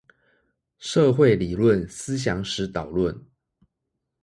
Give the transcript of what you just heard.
社會理論思想史導論